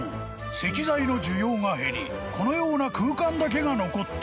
［石材の需要が減りこのような空間だけが残った］